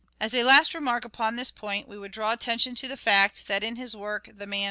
" Shake As a last remark upon this point we would draw J^" attention to the fact that in his work " The Man characters.